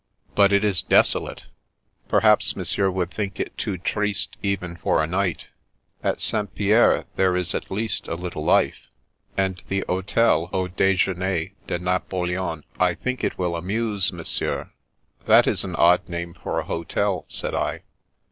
But it is desolate. Perhaps Monsieur would think it too triste even for a night. At St. Pierre there is at least a little life. And the hotel * Au Dejeuner de Napoleon,' I think it will amuse Monsieur." " That is an odd name for a hotel," said I.